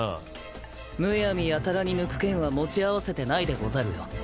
むやみやたらに抜く剣は持ち合わせてないでござるよ。